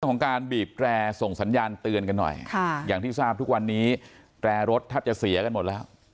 ของการบีบแร่ส่งสัญญาณเตือนกันหน่อยค่ะอย่างที่ทราบทุกวันนี้แตรรถแทบจะเสียกันหมดแล้ว